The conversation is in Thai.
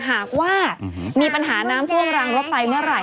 หากว่ามีปัญหาน้ำท่วมรางรถไฟเมื่อไหร